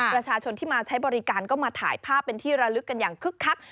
ประชาชนที่มาใช้บริการก็มาถ่ายภาพเป็นที่ระลึกกันอย่างคึกคัก